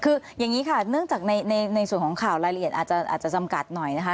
คืออย่างนี้ค่ะเนื่องจากในส่วนของข่าวรายละเอียดอาจจะจำกัดหน่อยนะคะ